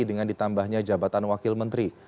dengan ditambahnya jabatan wakil menteri